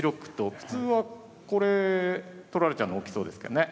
普通はこれ取られちゃうの大きそうですけどね。